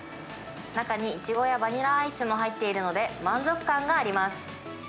中にいちごやバニラアイスも入っているので、満足感があります。